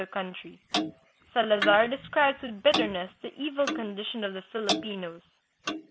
the country. Salazar describes with bitterness the evil condition of the Filipinos.